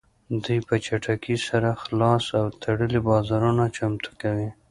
دوی په چټکۍ سره خلاص او تړلي بازارونه چمتو کوي